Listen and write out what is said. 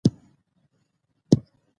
ـ خره ته يې زور نه رسي کتې ته ډبلي اوباسي.